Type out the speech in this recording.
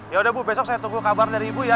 yaudah bu besok saya tunggu kabar dari ibu ya